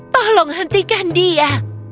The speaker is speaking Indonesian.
tolong hentikan dia